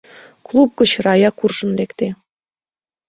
Клуб гыч Рая куржын лекте.